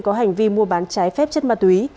có hành vi mua bán trái phép chất ma túy